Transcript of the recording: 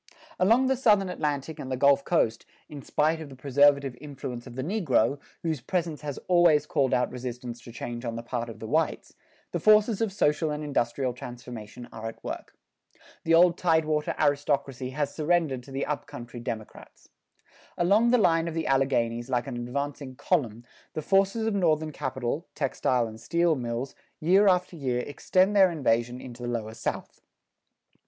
Along the Southern Atlantic and the Gulf coast, in spite of the preservative influence of the negro, whose presence has always called out resistance to change on the part of the whites, the forces of social and industrial transformation are at work. The old tidewater aristocracy has surrendered to the up country democrats. Along the line of the Alleghanies like an advancing column, the forces of Northern capital, textile and steel mills, year after year extend their invasion into the lower South.